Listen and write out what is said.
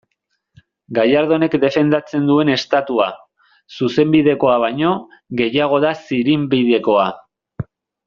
Gallardonek defendatzen duen Estatua, zuzenbidekoa baino, gehiago da zirinbidekoa.